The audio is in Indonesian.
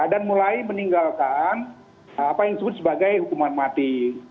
dan mulai meninggalkan apa yang disebut sebagai hukuman mati